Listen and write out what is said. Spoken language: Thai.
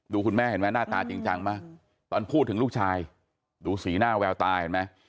คุณแม่เห็นไหมหน้าตาจริงจังมากตอนพูดถึงลูกชายดูสีหน้าแววตาเห็นไหม